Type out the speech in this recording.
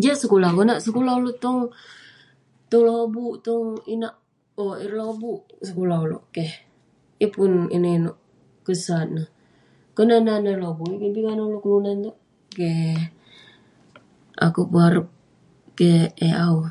Jiak sekulah..konak sekulah tong..tong lobuk, tong inak..owk..ireh lobuk sekulah ulouk keh..yeng pun inouk inouk kesat neh..konak nat anah ireh lobuk, yeng keh bi keh anah ulouk kelunan terk..keh..akouk berharap keh eh awu..